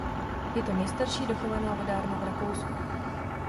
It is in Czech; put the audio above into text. Je to nejstarší dochovaná vodárna v Rakousku.